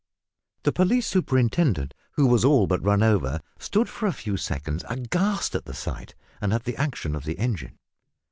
The police superintendent, who was all but run over, stood for a few seconds aghast at the sight and at the action of the engine.